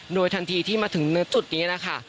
โดยทันทีที่มาถึงเนื้อจุดนี้นะคะ